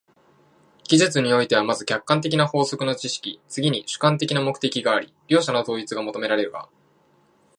技術においては、まず客観的な法則の知識、次に主観的な目的があり、両者の統一が求められるが、